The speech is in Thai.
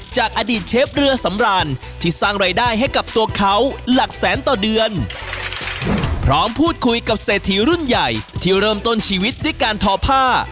จากอดีตเชฟเรือสำรานที่สร้างรายได้ให้กับตัวเขาหลักแสนต่อเดือนพร้อมพูดคุยกับเศรษฐีรุ่นใหญ่ที่เริ่มต้นชีวิตด้วยการทอผ้า